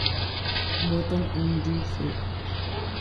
Bottom Of Your Soul